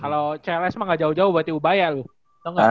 kalau cls mah gak jauh jauh berarti ubaya lu tau gak